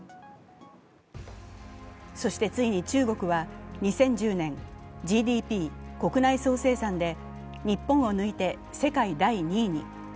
そして、ついに中国は２０１０年、ＧＤＰ＝国内総生産で日本を抜いて世界第２位に。